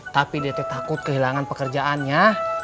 tapi dt takut kehilangan pekerjaannya